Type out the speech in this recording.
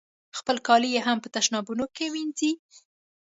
خپل کالي هم په تشنابونو کې وینځي.